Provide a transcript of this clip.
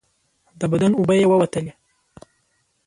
د بدن اوبه یې ووتلې.